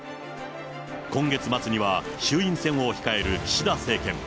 今月末には衆院選を控える岸田政権。